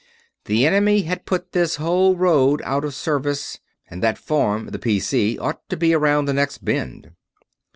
The enemy had put this whole road out of service. And that farm, the P.C., ought to be around the next bend.